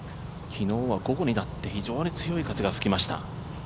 昨日は午後になって非常に強い風が吹きました。